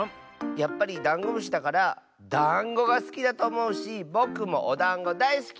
やっぱりダンゴムシだからだんごがすきだとおもうしぼくもおだんごだいすき。